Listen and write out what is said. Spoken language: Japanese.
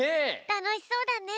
たのしそうだね！